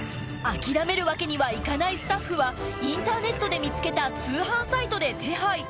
諦めるわけにはいかないスタッフはインターネットで見つけた通販サイトで手配